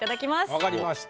わかりました。